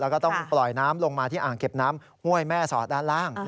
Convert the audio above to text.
แล้วก็ต้องปล่อยน้ำลงมาที่อ่างเก็บน้ำห้วยแม่สอดด้านล่าง